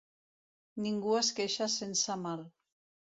Ningú es queixa sense mal.